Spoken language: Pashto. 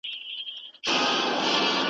نه خندا د چا پر شونډو باندي گرځي .